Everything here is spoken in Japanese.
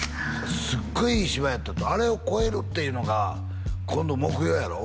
すっごいいい芝居やったとあれを越えるっていうのが今度目標やろ？